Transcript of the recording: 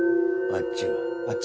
あっちは？